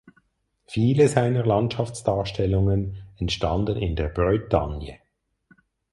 Viele seiner Landschaftsdarstellungen entstanden in der Bretagne.